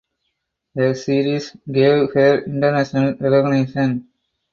The series gave her international recognition.